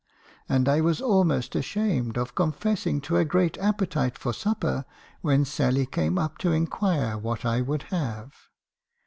And I was almost ashamed of confessing to a great appetite for supper when Sally came up to inquire what I would have.